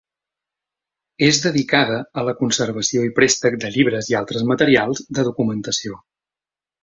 És dedicada a la conservació i préstec de llibres i altres materials de documentació.